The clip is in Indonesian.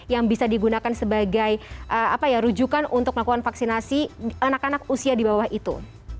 yang bisa digunakan sebagai rujukan untuk melakukan vaksinasi anak anak usia di bawah itu